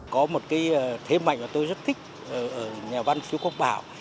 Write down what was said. có một cái thế mạnh mà tôi rất thích ở nhà văn khiếu quốc bảo